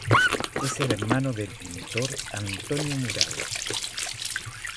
Es hermano del pintor Antonio Murado.